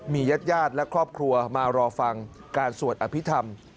มีญาติญาติและครอบครัวมารอฟังการสวดอภิษฐรรม